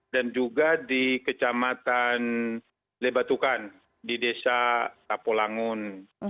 dan juga di kecamatan lebatukan di desa tapolangun